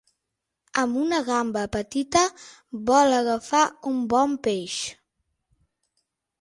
Amb una gamba petita vol agafar un bon peix.